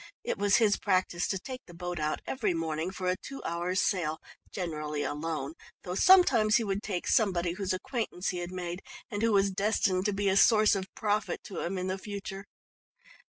It was his practice to take the boat out every morning for a two hours' sail, generally alone, though sometimes he would take somebody whose acquaintance he had made, and who was destined to be a source of profit to him in the future.